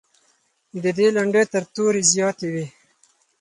د دې لنډۍ تر تورې زیاتې وې.